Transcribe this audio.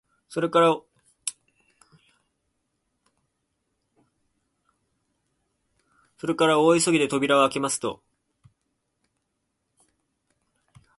それから大急ぎで扉をあけますと、